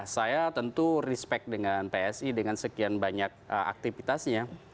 saya tentu respect dengan psi dengan sekian banyak aktivitasnya